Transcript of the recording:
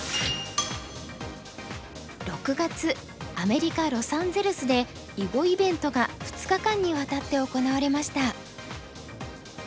６月アメリカロサンゼルスで囲碁イベントが２日間にわたって行われました。